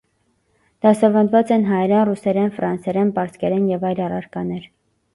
Դասաւանդուած են հայերէն, ռուսերէն, ֆրանսերէն, պարսկերէն եւ այլ առարկաներ։